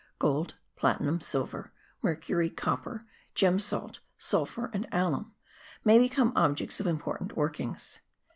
Gold, platinum, silver, mercury, copper, gem salt, sulphur and alum may become objects of important workings.